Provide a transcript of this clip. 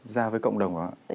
ra với cộng đồng đó ạ